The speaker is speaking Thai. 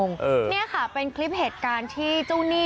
นี่ค่ะเป็นคลิปเหตุการณ์ที่เจ้าหนี้